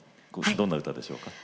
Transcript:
どんな歌でしょうか？